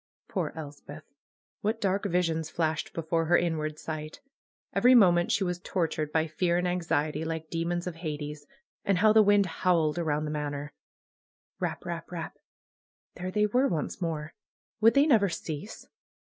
Poor Elspeth ! What dark visions flashed before her inward sight ! Every moment she was tortured by fear and anxiet}^, like demons of Hades. And how the wind howled around the Manor ! Eap ! Eap ! Eap ! There they were once more. Would they never cease